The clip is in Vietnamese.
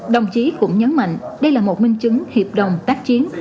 đồng chí cũng nhấn mạnh đây là một minh chứng hiệp đồng tác chiến